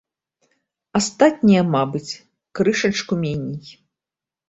Астатнія, мабыць, крышачку меней.